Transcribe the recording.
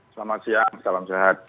selamat siang salam sehat